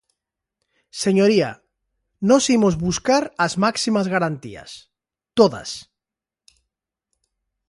Señoría, nós imos buscar as máximas garantías, todas.